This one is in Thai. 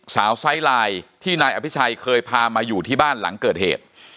ไซส์ไลน์ที่นายอภิชัยเคยพามาอยู่ที่บ้านหลังเกิดเหตุ